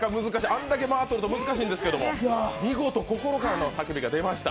あんだけ間とると難しいんですけども、見事、心からの叫びが出ました。